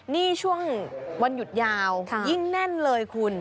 นี่ช่วงวันหยุดยาวยิ่งแน่นเลยคุณ